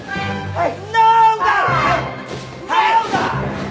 はい！